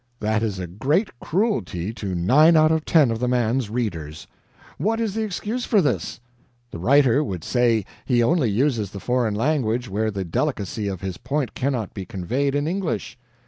That is a great cruelty to nine out of ten of the man's readers. What is the excuse for this? The writer would say he only uses the foreign language where the delicacy of his point cannot be conveyed in English.